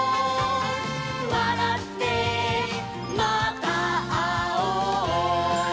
「わらってまたあおう」